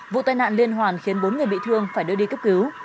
vụ tai nạn liên hoàn khiến bốn người bị thương phải đưa đi cấp cứu